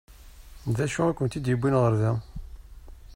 D acu i kent-id-yewwin ɣer da?